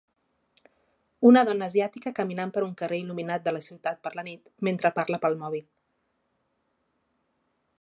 Una dona asiàtica caminant per un carrer il·luminat de la ciutat per la nit, mentre parla pel mòbil.